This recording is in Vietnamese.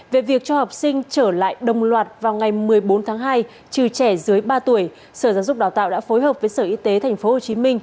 về việc cho học sinh trở lại đồng loạt vào ngày một mươi bốn tháng hai trừ trẻ dưới ba tuổi sở giáo dục đào tạo đã phối hợp với sở y tế tp hcm